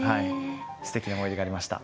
すてきな思い出がありました。